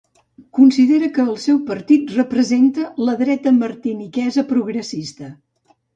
Considera que el seu partit representa la dreta martiniquesa progressista.